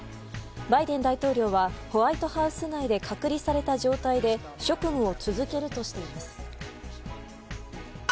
バイデン大統領はホワイトハウス内で隔離された状態で職務を続けるとしています。